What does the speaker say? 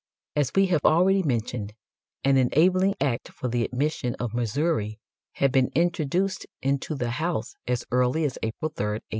As we have already mentioned, an enabling act for the admission of Missouri had been introduced into the House as early as April 3, 1818.